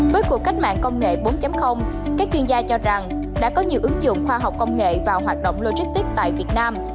với cuộc cách mạng công nghệ bốn các chuyên gia cho rằng đã có nhiều ứng dụng khoa học công nghệ vào hoạt động logistics tại việt nam